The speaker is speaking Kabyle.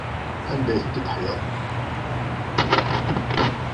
Anda ay tent-id-theyyaḍ?